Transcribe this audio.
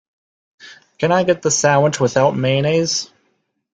Can I get the sandwich without mayonnaise?